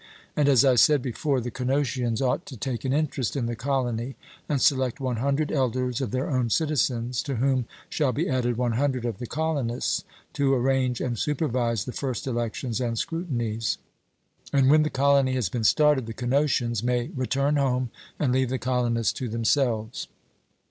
And, as I said before, the Cnosians ought to take an interest in the colony, and select 100 elders of their own citizens, to whom shall be added 100 of the colonists, to arrange and supervise the first elections and scrutinies; and when the colony has been started, the Cnosians may return home and leave the colonists to themselves.